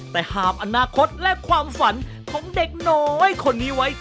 แต่หาบอนาคตและความฝันของเด็กน้อยคนนี้ไว้